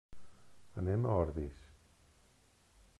Anem a Ordis.